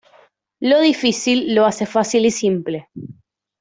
Lo difícil lo hace fácil y simple.